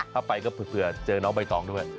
ถ้าไปก็เผื่อเจอน้องใบตองด้วย